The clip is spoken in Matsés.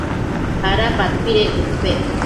¿ada padpedec chopec?